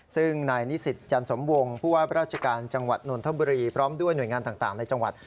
ซึ่งนายนิสิตจันสมวงผู้ว่าราชการจังหวัดนนทบุรีพร้อมด้วยหน่วยงานต่างในจังหวัด